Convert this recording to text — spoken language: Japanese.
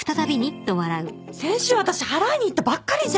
先週私払いに行ったばっかりじゃん。